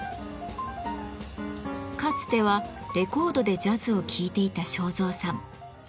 かつてはレコードでジャズを聴いていた正蔵さん。